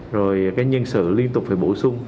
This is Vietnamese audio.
rồi cái nhân sự liên tục phải bổ sung